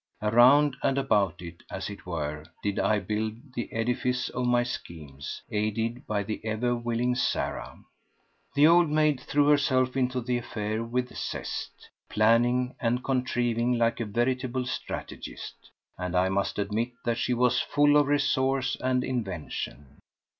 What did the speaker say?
Around and about it, as it were, did I build the edifice of my schemes, aided by the ever willing Sarah. The old maid threw herself into the affair with zest, planning and contriving like a veritable strategist; and I must admit that she was full of resource and invention.